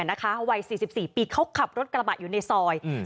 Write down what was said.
นะคะวัยสี่สิบสี่ปีเขาขับรถกระบะอยู่ในซอยอืม